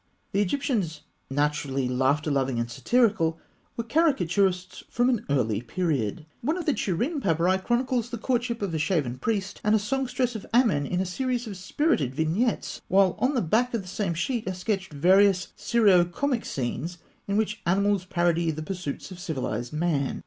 The Egyptians, naturally laughter loving and satirical, were caricaturists from an early period. One of the Turin papyri chronicles the courtship of a shaven priest and a songstress of Amen in a series of spirited vignettes; while on the back of the same sheet are sketched various serio comic scenes, in which animals parody the pursuits of civilised man.